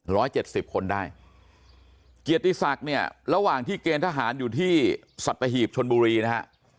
ร้อยเจ็ดสิบคนได้เกียรติศักดิ์เนี่ยระหว่างที่เกณฑ์ทหารอยู่ที่สัตหีบชนบุรีนะฮะ